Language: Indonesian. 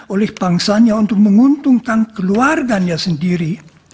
oleh bangsanya untuk menguntungkan keluarganya sendiri